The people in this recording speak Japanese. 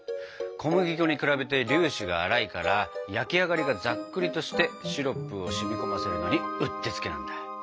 小麦粉に比べて粒子が粗いから焼き上がりがざっくりとしてシロップを染み込ませるのにうってつけなんだ。